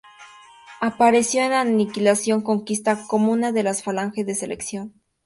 Apareció en "Aniquilación Conquista" como una de la Falange de selección.